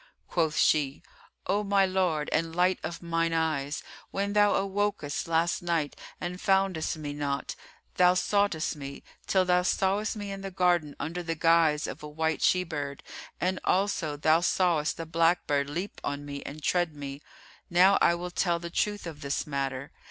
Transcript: Quoth she, "O my lord and light of mine eyes, when thou awokest last night and foundest me not, thou soughtest me, till thou sawest me in the garden, under the guise of a white she bird, and also thou sawest the black bird leap on me and tread me. Now I will tell the truth of this matter.